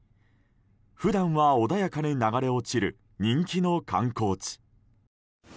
普段は穏やかに流れ落ちる人気の観光地。